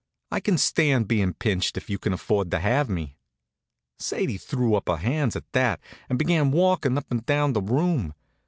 I can stand being pinched if you can afford to have me." Sadie threw up her hands at that, and began walkin' up and down the room.